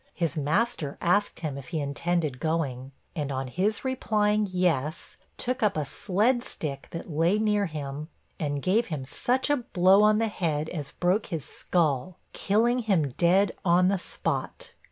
His master asked him if he intended going, and on his replying 'yes,' took up a sled stick that lay near him, and gave him such a blow on the head as broke his skull, killing him dead on the spot.